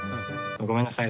ごめんなさい。